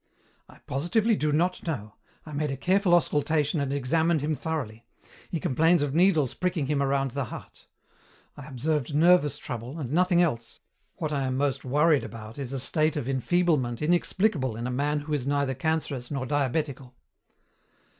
"I positively do not know. I made a careful auscultation and examined him thoroughly. He complains of needles pricking him around the heart. I observed nervous trouble and nothing else. What I am most worried about is a state of enfeeblement inexplicable in a man who is neither cancerous nor diabetical."